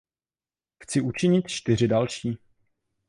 Chci učinit čtyři další.